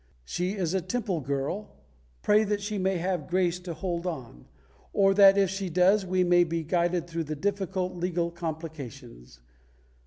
"She is a Temple girl. Pray that she may have grace to hold on; and that if she does, we may be guided through the difficult legal complications.